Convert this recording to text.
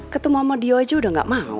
ketemu sama dia aja udah gak mau